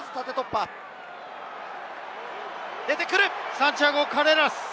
サンティアゴ・カレーラス！